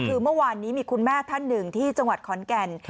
คือเมื่อวานนี้มีคุณแม่ท่านหนึ่งที่จังหวัดขอนแก่น